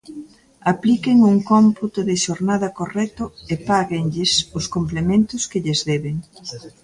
Apliquen un cómputo de xornada correcto e páguenlles os complementos que lles deben.